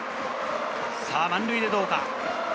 満塁でどうか？